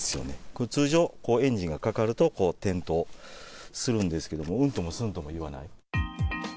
これ、通常エンジンがかかると、点灯するんですけれども、うんともすんとも言わない。